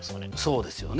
そうですよね。